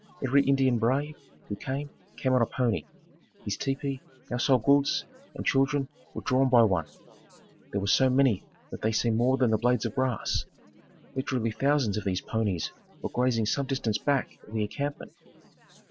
Every Indian brave, who came, came on a pony. His tepee, household goods and children were drawn by one. There were so many that they seemed more than the blades of grass. Literally thousands of these ponies were grazing some distance back of the encampment.